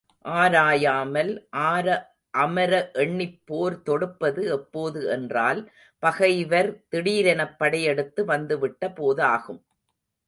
ஆராயாமல் ஆர அமர எண்ணிப் போர் தொடுப்பது எப்போது என்றால், பகைவர் திடீரெனப் படையெடுத்து வந்துவிட்ட போதாகும்.